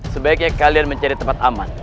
sebaiknya kalian mencari tempat aman